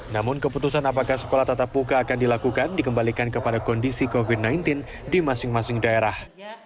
namun keputusan apakah sekolah tatap muka akan dilakukan dikembalikan kepada kondisi covid sembilan belas di masing masing daerah